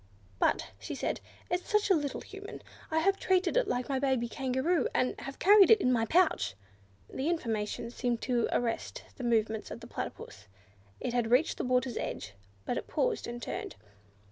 "But," she said, "it's such a little Human! I have treated it like my baby Kangaroo, and have carried it in my pouch." This information seemed to arrest the movements of the Platypus; it had reached the water's edge, but it paused, and turned.